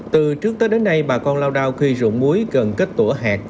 từ trước tới đến nay bà con lao đao khi rượu muối gần kết tổ hạt